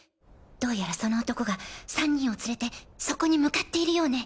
どうやらその男が３人を連れてそこに向かっているようね。